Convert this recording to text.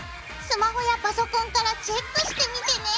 スマホやパソコンからチェックしてみてね。